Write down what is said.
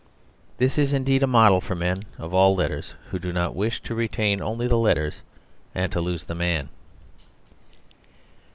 This is indeed a model for all men of letters who do not wish to retain only the letters and to lose the man.